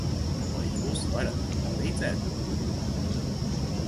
Vai jūs varat man palīdzēt?